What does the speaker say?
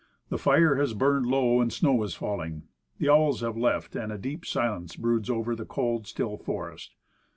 The fire has burned low, and snow is falling. The owls have left, and a deep silence broods over the cold, still forest.